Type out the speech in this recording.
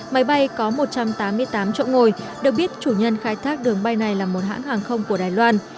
máy bay có một trăm tám mươi tám chỗ ngồi được biết chủ nhân khai thác đường bay này là một hãng hàng không của đài loan